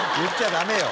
ダメよ。